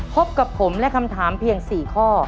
พบกับผมและคำถามเพียง๔ข้อ